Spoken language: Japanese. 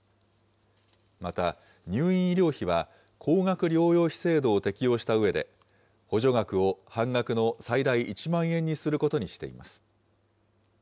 また、入院医療費は高額療養費制度を適用したうえで、補助額を半額の最大１万円にすることにしています。